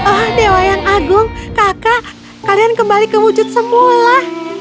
oh dewa yang agung kakak kalian kembali kewujud semula